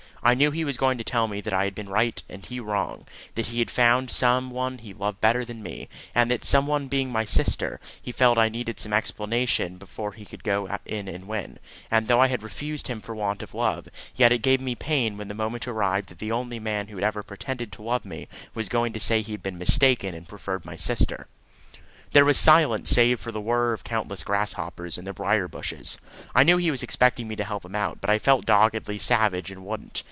I knew he was going to tell me that I had been right and he wrong that he had found some one he loved better than me, and that some one being my sister, he felt I needed some explanation before he could go in and win; and though I had refused him for want of love, yet it gave me pain when the moment arrived that the only man who had ever pretended to love me was going to say he had been mistaken, and preferred my sister. There was silence save for the whirr of the countless grasshoppers in the brier bushes. I knew he was expecting me to help him out, but I felt doggedly savage and wouldn't.